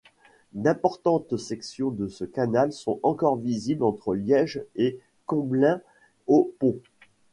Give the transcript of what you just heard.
D'importantes sections de ce canal sont encore visibles entre Liège et Comblain-au-Pont.